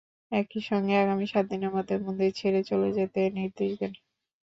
একই সঙ্গে আগামী সাত দিনের মধ্যে মন্দির ছেড়ে চলে যেতে নির্দেশ দেন।